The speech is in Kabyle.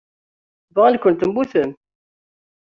Bɣan-ken temmutem.